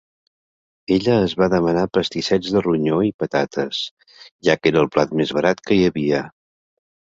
Ella es va demanar pastissets de ronyó i patates, ja que era el plat més barat que hi havia.